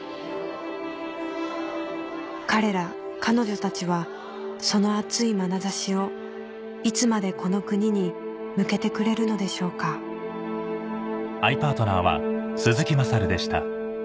彼ら彼女たちはその熱いまなざしをいつまでこの国に向けてくれるのでしょうかよ